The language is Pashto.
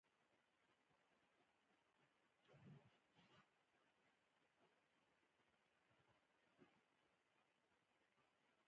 سارې د بدو چارو په ترسره کولو سره د خپل پلار شمله وشرموله.